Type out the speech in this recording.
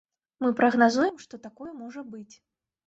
Мы прагназуем, што такое можа быць.